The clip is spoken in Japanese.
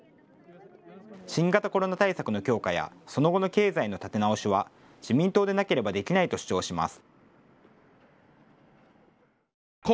新型コロナ対策の強化やその後の経済の立て直しは、自民党でなければできないと主張します。